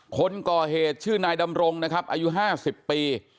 คนก่อเหตุชื่อนายดำรงนะครับอายุ๕๐ปี